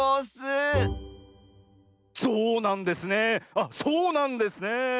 あっそうなんですねえ。